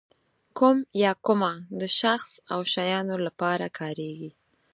کوم یا کومه د شخص او شیانو لپاره کاریږي.